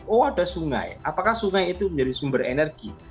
oh ada sungai apakah sungai itu menjadi sumber energi